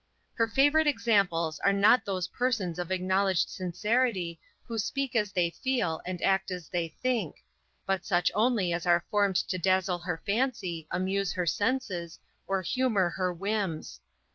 Her favorite examples are not those persons of acknowledged sincerity, who speak as they feel, and act as they think; but such only as are formed to dazzle her fancy, amuse her senses, or humor her whims.